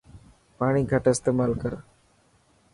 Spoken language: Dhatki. پاڻي گهٽ استيمال ڪرن.